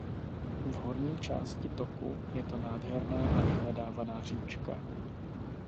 V horní části toku je to nádherná a vyhledávaná říčka.